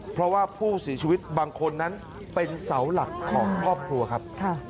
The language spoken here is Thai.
เพราะว่าผู้เสียชีวิตบางคนนั้นเป็นเสาหลักของครอบครัวครับ